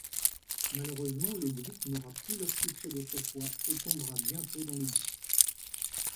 Malheureusement, le groupe n'aura plus leur succès d'autrefois et tombera bientôt dans l'oubli.